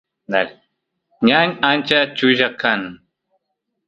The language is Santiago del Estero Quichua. ñan ancha chulla kan